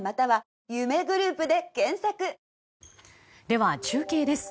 では、中継です。